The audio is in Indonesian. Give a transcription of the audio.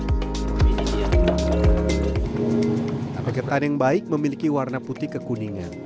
tata peketan yang baik memiliki warna putih kekuningan